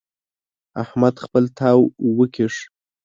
احمد خپل تاو وکيښ.